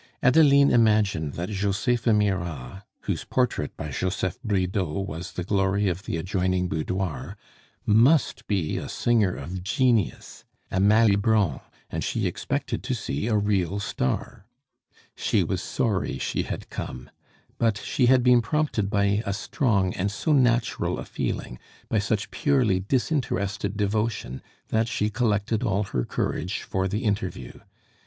Adeline imagined that Josepha Mirah whose portrait by Joseph Bridau was the glory of the adjoining boudoir must be a singer of genius, a Malibran, and she expected to see a real star. She was sorry she had come. But she had been prompted by a strong and so natural a feeling, by such purely disinterested devotion, that she collected all her courage for the interview.